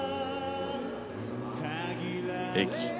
駅。